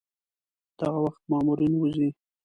دغه وخت مامورین وځي.